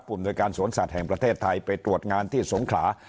อำนวยการสวนสัตว์แห่งประเทศไทยไปตรวจงานที่สงขลา